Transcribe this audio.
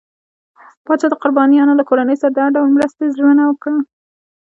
پاچا د قربانيانو له کورنۍ سره د هر ډول مرستې ژمنه کړه.